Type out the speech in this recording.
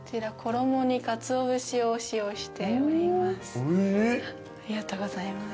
ありがとうございます。